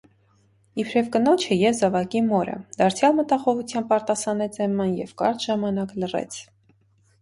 - Իբրև կնոջը և զավակի մորը,- դարձյալ մտախոհությամբ արտասանեց Էմման և կարճ ժամանակ լռեց: